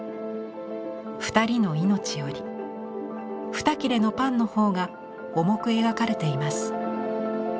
二人の命より二切れのパンの方が重く描かれています。